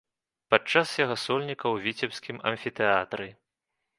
Падчас яго сольніка ў віцебскім амфітэатры!